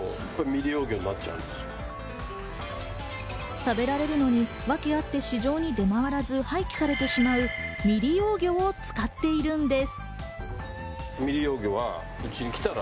食べられるのに訳あって市場に出回らず廃棄されてしまう未利用魚を使っているのです。